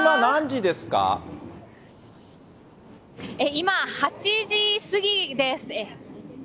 今、８時過ぎです。